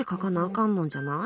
かんのんじゃない？